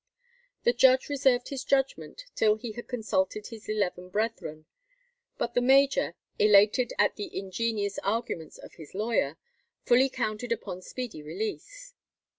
The judge reserved his judgment till he had consulted his eleven brethren; but the major, elated at the ingenious arguments of his lawyer, fully counted upon speedy release.